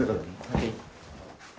はい。